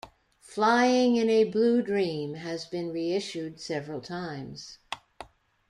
"Flying in a Blue Dream" has been reissued several times.